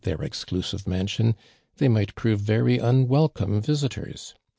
ieir exclusive mansion, they might piovo very imwelconie visitors.